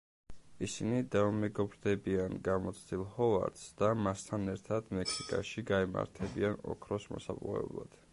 ისინი დაუმეგობრდებიან გამოცდილ ჰოვარდს და მასთან ერთად მექსიკაში გაემართებიან ოქროს მოსაპოვებლად.